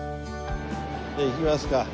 じゃあ行きますか。